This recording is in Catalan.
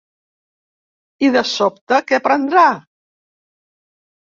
I de sobte, què prendrà?